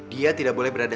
dia tidak boleh berada